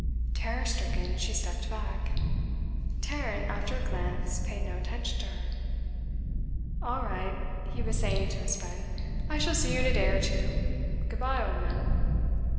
Terror stricken, she stepped back. Tarrant, after a glance, paid no attention to her. 'All right,' he was saying to his friend, 'I shall see you in a day or two. Good bye, old man.